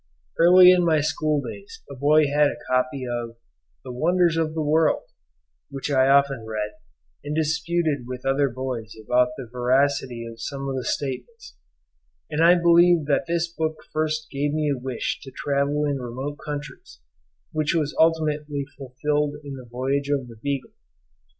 Early in my school days a boy had a copy of the 'Wonders of the World,' which I often read, and disputed with other boys about the veracity of some of the statements; and I believe that this book first gave me a wish to travel in remote countries, which was ultimately fulfilled by the voyage of the "Beagle".